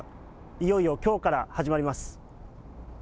いよいよきょうから始まります。